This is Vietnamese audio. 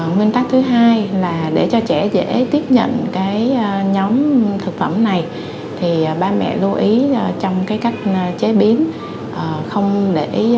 nguyên tắc thứ hai là để cho trẻ dễ tiếp nhận cái nhóm thực phẩm này thì ba mẹ lưu ý trong cái cách chế biến không để